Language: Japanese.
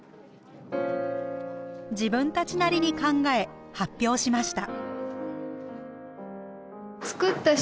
自分たちなりに考え発表しました。